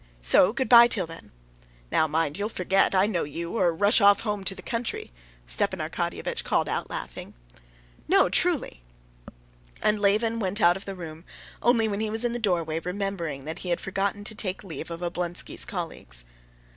So good bye till then." "Now mind, you'll forget, I know you, or rush off home to the country!" Stepan Arkadyevitch called out laughing. "No, truly!" And Levin went out of the room, only when he was in the doorway remembering that he had forgotten to take leave of Oblonsky's colleagues.